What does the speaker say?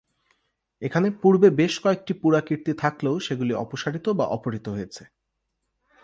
এখানে পূর্বে বেশ কয়েকটি পুরাকীর্তি থাকলেও সেগুলি অপসারিত বা অপহৃত হয়েছে।